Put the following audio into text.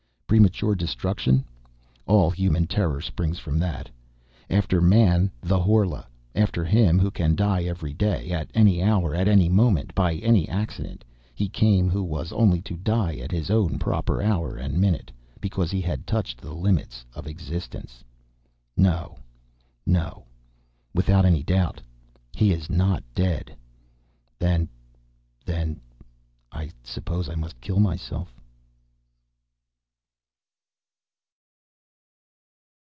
Premature destruction? All human terror springs from that! After man the Horla. After him who can die every day, at any hour, at any moment, by any accident, he came who was only to die at his own proper hour and minute, because he had touched the limits of his existence! No ... no ... without any doubt ... he is not dead. Then ... then ... I suppose I must kill myself!